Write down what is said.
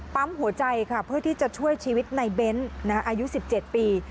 ปั๊มหัวใจค่ะเพื่อที่จะช่วยชีวิตในเบ้นอายุ๑๗ปี